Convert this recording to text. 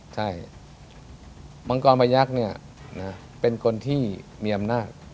ใช่มังกรพยักษ์เป็นคนที่มีอำนาจ